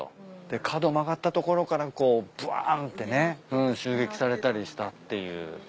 で角曲がった所からこうぶわってね襲撃されたりしたっていう。